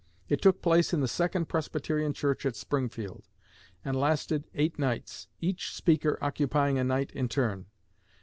It took place in the Second Presbyterian church at Springfield, and lasted eight nights, each speaker occupying a night in turn.